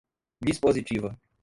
dispositiva